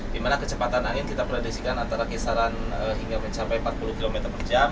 di mana kecepatan angin kita prediksikan antara kisaran hingga mencapai empat puluh km per jam